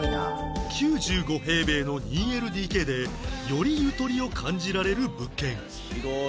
９５平米の ２ＬＤＫ でよりゆとりを感じられる物件